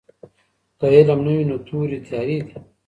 که علم نه وي نو توري تیارې دي.